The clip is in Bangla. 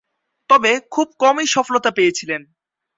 তবে খুব কমই সফলতা পেয়েছিলেন।